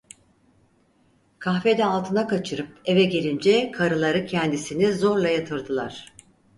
Kahvede altına kaçırıp eve gelince karıları kendisini zorla yatırdılar.